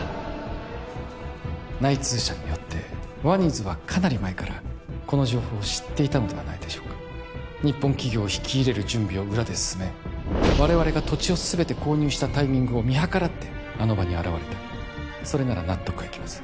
内通者によってワニズはかなり前からこの情報を知っていたのではないでしょうか日本企業を引き入れる準備を裏で進め我々が土地を全て購入したタイミングを見計らってあの場に現れたそれなら納得がいきます